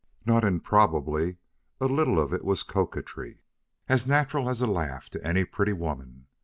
Not improbably a little of it was coquetry, as natural as a laugh to any pretty woman.